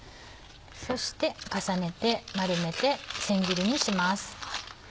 そして重ねて丸めて千切りにします。